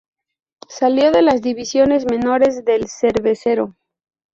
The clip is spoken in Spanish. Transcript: Salió de las divisiones menores del cervecero.